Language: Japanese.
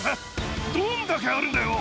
どんだけあるんだよ！